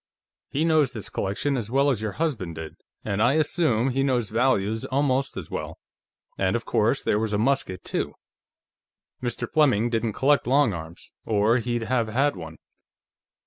He knows this collection as well as your husband did, and I assume he knows values almost as well.... And, of course, there was a musket, too; Mr. Fleming didn't collect long arms, or he'd have had one.